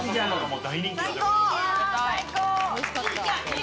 最高！